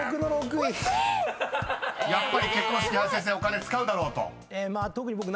［やっぱり「結婚式」は林先生お金使うだろうと？］